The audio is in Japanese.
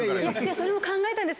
それも考えたんです。